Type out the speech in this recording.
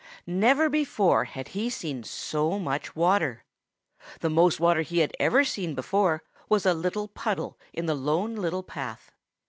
Never before had he seen so much water. The most water he had ever seen before was a little puddle in the Lone Little Path.